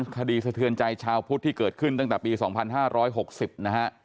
สะเทือนใจชาวพุทธที่เกิดขึ้นตั้งแต่ปี๒๕๖๐นะฮะ